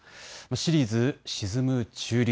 シリーズ沈む中流。